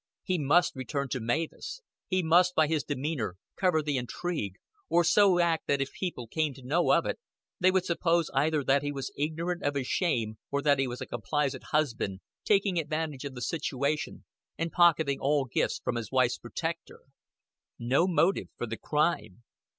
He must return to Mavis; he must by his demeanor cover the intrigue or so act that if people came to know of it, they would suppose either that he was ignorant of his shame or that he was a complaisant husband, taking advantage of the situation and pocketing all gifts from his wife's protector. No motive for the crime.